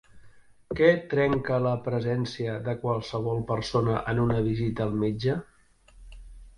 Què trenca la presència de qualsevol persona en una visita al metge?